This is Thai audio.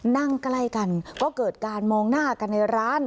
นั่งใกล้กันก็เกิดการมองหน้ากันในร้าน